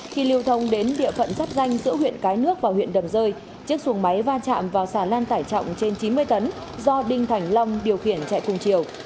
khi lưu thông đến địa phận giáp danh giữa huyện cái nước và huyện đầm rơi chiếc xuồng máy va chạm vào xà lan tải trọng trên chín mươi tấn do đinh thành long điều khiển chạy cùng chiều